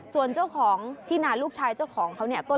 ส่วนเจ้าของที่นานลูกชายเจ้าของเขาเนี่ย